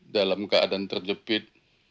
dalam keadaan terjepit